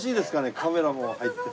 カメラも入って。